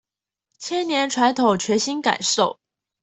千年傳統全新感受